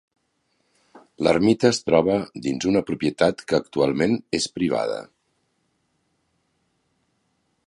L'ermita es troba dins una propietat que actualment és privada.